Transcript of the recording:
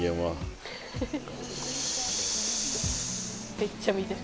めっちゃ見てる。